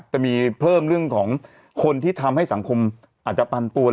จะมีเพิ่มเรื่องของคนที่ทำให้สังคมอาจจะปันปวน